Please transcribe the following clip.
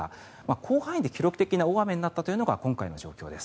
広範囲で記録的な大雨になったというのが今回の状況です。